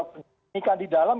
penyidikan di dalam